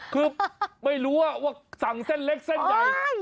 คือไม่รู้ว่าว่าจังแส่นเล็กแส่นใหญ่